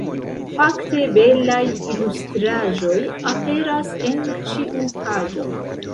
Fakte, belaj ilustraĵoj aperas en ĉiu paĝo.